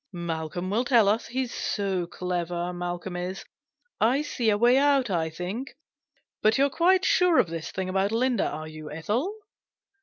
Malcolm will tell us ; he's so clever, Malcolm is. I see a way out, I think. But you're quite sure of this thing about Linda, are you, Ethel